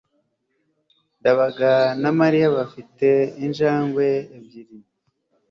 ndabaga na mariya bafite injangwe ebyiri